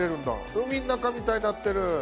海の中みたいになってる！